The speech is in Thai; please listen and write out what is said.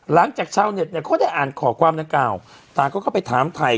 หลังจากเช่าเหน็จเนี่ยเข้าได้อ่านขอความนักก้าวก็ไปถามถ่าย